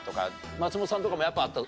松本さんとかもやっぱあった？